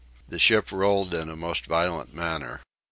The ship rolled in a most violent manner.